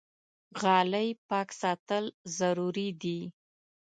غالۍ پاک ساتل ضروري دي.